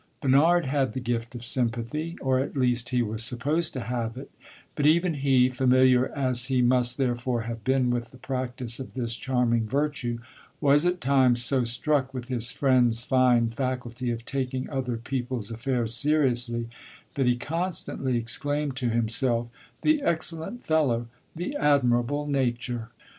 Bernard had the gift of sympathy or at least he was supposed to have it; but even he, familiar as he must therefore have been with the practice of this charming virtue, was at times so struck with his friend's fine faculty of taking other people's affairs seriously that he constantly exclaimed to himself, "The excellent fellow the admirable nature!"